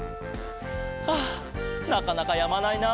ああなかなかやまないな。